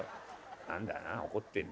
何だな怒ってんね。